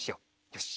よし。